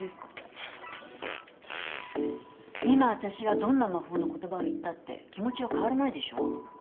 フッ今私がどんな魔法の言葉を言ったって気持ちは変わらないでしょ？